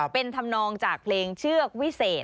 เป็นธรรมนองจากเพลงเชือกวิเศษ